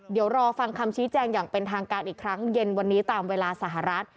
เดี๋ยวรอฟังคำชี้แจงอย่างเป็นทางการอีกครั้งเย็นวันนี้ตามเวลาสหรัฐ